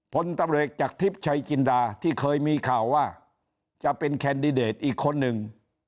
ผลตำรวจจากทิพย์ชัยจินดาที่เคยมีข่าวว่าจะเป็นแคนดิเดตอีกคนหนึ่ง